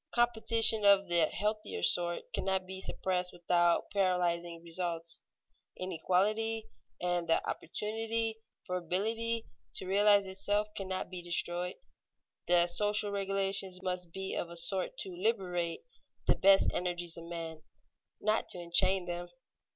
Competition of the healthier sort cannot be suppressed without paralyzing results. Inequality and the opportunity for ability to realize itself cannot be destroyed. The social regulations must be of a sort to liberate the best energies of men, not to enchain them.